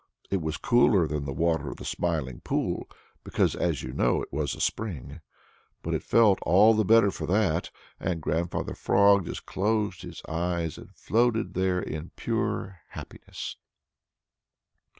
It was cooler than the water of the Smiling Pool, because, as you know, it was a spring. But it felt all the better for that, and Grandfather Frog just closed his eyes and floated there in pure happiness.